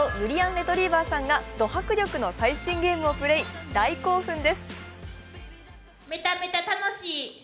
レトリィバァさんがド迫力の最新ゲームをプレー、大興奮です。